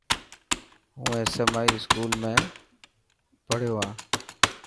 هون SMI اسڪول ۾ پهڙيو هان.